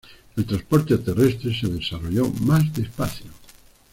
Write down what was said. El transporte terrestre se desarrolló más despacio.